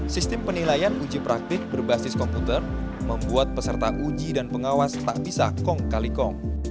sistem penilaian uji praktik berbasis komputer membuat peserta uji dan pengawas tak bisa kong kali kong